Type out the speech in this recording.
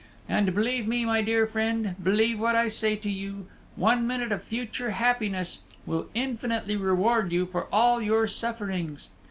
And believe me, my dear friend, believe what I say to you, one minute of future happiness will infinitely reward you for all your sufferings.